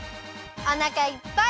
おなかいっぱい！